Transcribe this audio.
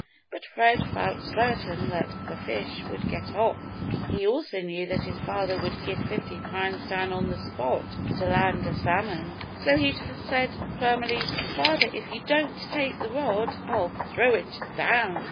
But Fred felt certain that the fish would get off. He also knew that his father would give fifty pounds down on the spot to land a salmon: so he said firmly, "Father, if you don't take the rod, I'll throw it down!"